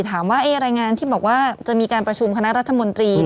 รายงานที่บอกว่าจะมีการประชุมคณะรัฐมนตรี